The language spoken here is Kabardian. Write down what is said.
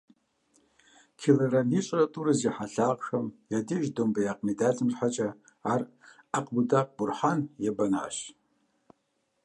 Килограмм ищӀрэ тӀурэ зи хьэлъагъхэм я деж домбеякъ медалым щхьэкӀэ ар Акбудак Бурхъан ебэнащ.